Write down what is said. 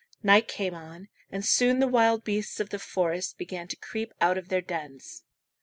Night came on, and soon the wild beasts of the forest began to creep out of their dens.